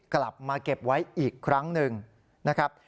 กลับมาเก็บไว้อีกครั้งหนึ่งนะครับ